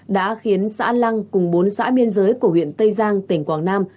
đã khiến xã lăng cùng bốn xã biên giới của huyện tây giang tỉnh quảng nam